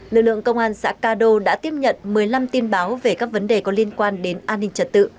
lực lượng công an xã ca đô đã tiếp nhận một mươi năm tin báo về các vấn đề có liên quan đến an ninh trật tự